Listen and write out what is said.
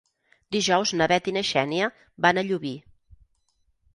Dijous na Bet i na Xènia van a Llubí.